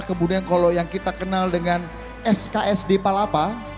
kemudian kalau yang kita kenal dengan sksd palapa